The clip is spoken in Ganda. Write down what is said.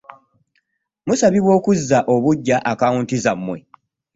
Musabibwa okuzza obujja akawunti zammwe.